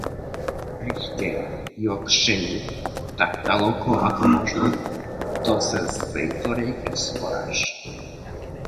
Richter jo kśěł, tak daloko ako móžno, to zasej do rěcha spóraś.